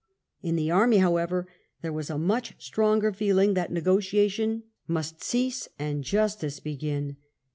In the army, however, there was a much stronger feeling that negotiation must cease and justice begin.